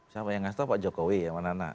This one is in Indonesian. siapa yang ngasih tau pak jokowi ya mana mana